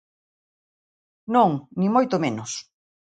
Non, nin moito menos.